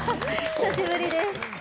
久しぶりです。